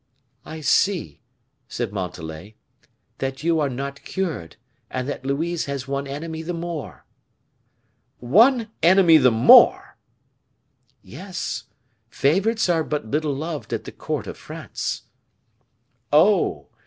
"I see," said Montalais, "that you are not cured, and that Louise has one enemy the more." "One enemy the more!" "Yes; favorites are but little beloved at the court of France." "Oh!